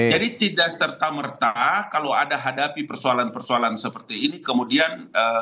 jadi tidak serta merta kalau ada hadapi persoalan persoalan seperti ini kemudian